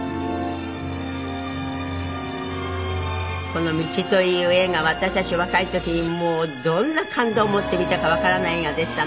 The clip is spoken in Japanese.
この『道』という映画私たち若い時にもうどんな感動をもって見たかわからない映画でしたのでね。